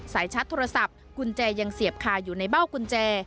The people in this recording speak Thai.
ชัดโทรศัพท์กุญแจยังเสียบคาอยู่ในเบ้ากุญแจ